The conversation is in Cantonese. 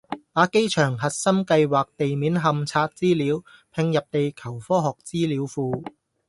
把機場核心計劃地面勘測資料併入地球科學資料庫